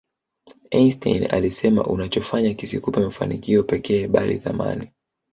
Einstein alisema unachofanya kisikupe mafanikio pekee bali thamani